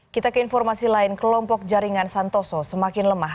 kita ke informasi lain kelompok jaringan santoso semakin lemah